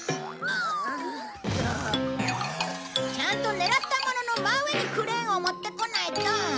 ちゃんと狙ったものの真上にクレーンを持ってこないと！